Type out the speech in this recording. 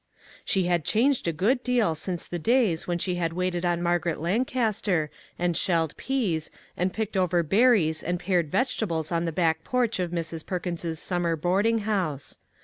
She had changed a good deal since the days when she had waited on Margaret Lancaster, and shelled peas, and picked over berries and pared vegetables on the back porch of Mrs. Perkins's summer boarding house.